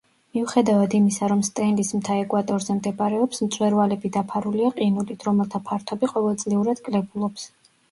მიუხედავად იმისა, რომ სტენლის მთა ეკვატორზე მდებარეობს, მწვერვალები დაფარულია ყინულით, რომელთა ფართობი ყოველწლიურად კლებულობს.